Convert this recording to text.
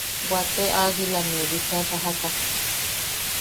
Waate agilammeu bicha sajaka.